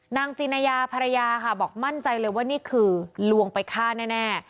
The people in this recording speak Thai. นางจินายาภรรยาค่ะบอกมั่นใจเลยว่านี่คือลวงไปฆ่าแน่